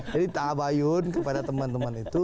jadi tabayun kepada teman teman itu